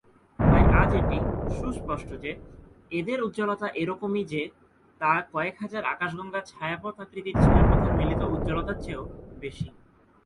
তাই আজ এটি সুস্পষ্ট যে এদের উজ্জ্বলতা এরকমই যে তা কয়েক হাজার আকাশগঙ্গা ছায়াপথ আকৃতির ছায়াপথের মিলিত উজ্জ্বলতার চেয়েও বেশি।